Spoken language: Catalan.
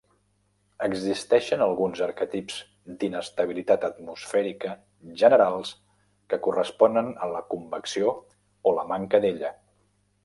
Existeixen alguns arquetips d'inestabilitat atmosfèrica generals que corresponen a la convecció o la manca d'ella.